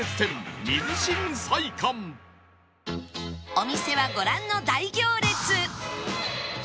お店はご覧の大行列！